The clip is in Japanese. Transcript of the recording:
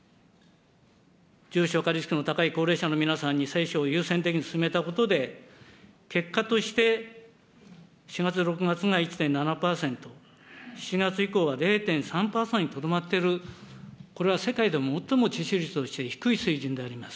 重症化リスクの高い高齢者の方に、接種を優先的に進めたことで、結果として４月、６月が１．７％、４月以降は０．３％にとどまっている、これは世界でも最も致死率として低い水準であります。